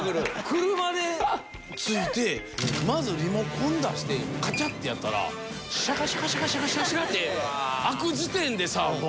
車で着いてまずリモコン出してカチャってやったらシャカシャカシャカシャカシャカシャカって開く時点でさ